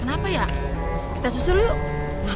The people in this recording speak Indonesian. kenapa ya s spear